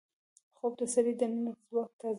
خوب د سړي دننه ځواک تازه کوي